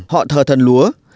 họ thờ thần lúa